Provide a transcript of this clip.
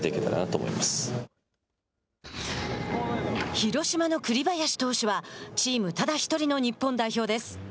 広島の栗林投手はチームただ１人の日本代表です。